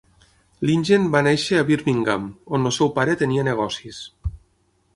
Lingen va néixer a Birmingham, on el seu pare tenia negocis.